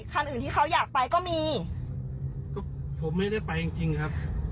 คันอื่นที่เขาอยากไปก็มีก็ผมไม่ได้ไปจริงจริงครับ